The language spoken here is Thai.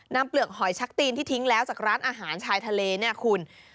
เปลือกหอยชักตีนที่ทิ้งแล้วจากร้านอาหารชายทะเลเนี่ยคุณ